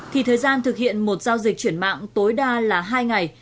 thì thời gian thực hiện một giao dịch chuyển mạng tối đa là hai ngày